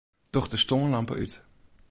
Doch de stânlampe út.